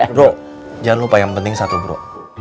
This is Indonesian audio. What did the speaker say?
bro jangan lupa yang penting satu bro